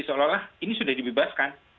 seolah olah ini sudah dibebaskan